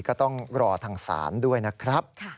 ก็ต้องรอทางศาลด้วยนะครับ